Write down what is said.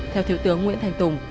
theo thiếu tướng nguyễn thanh tùng